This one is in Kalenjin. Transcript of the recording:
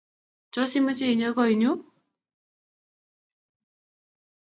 Tos imoche inyo goinyu?